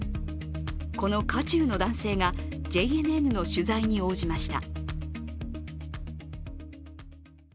この渦中の男性がＪＮＮの取材に応じました。